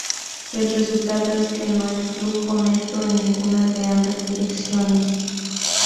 El resultado es que no hay flujo neto en ninguna de ambas direcciones.